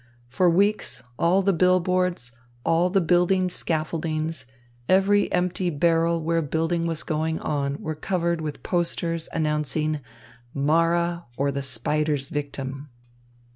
For weeks all the bill boards, all the building scaffoldings, every empty barrel where building was going on were covered with posters announcing "Mara, or the Spider's Victim."